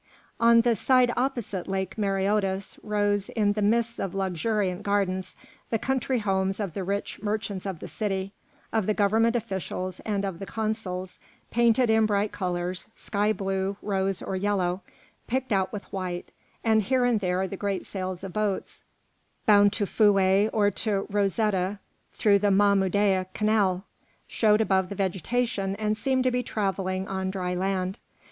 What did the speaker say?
On the side opposite Lake Mareotis rose, in the midst of luxuriant gardens, the country homes of the rich merchants of the city, of the government officials and of the consuls, painted in bright colours, sky blue, rose or yellow, picked out with white, and here and there the great sails of boats, bound to Foueh or to Rosetta through the Mahmoudieh Canal, showed above the vegetation and seemed to be travelling on dry land.